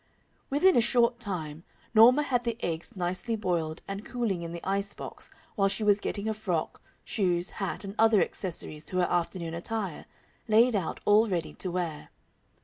Within a short time Norma had the eggs nicely boiled and cooling in the ice box while she was getting her frock, shoes, hat, and other accessories to her afternoon attire, laid out all ready to wear.